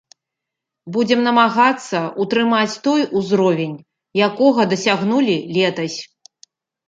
Будзем намагацца ўтрымаць той узровень, якога дасягнулі летась.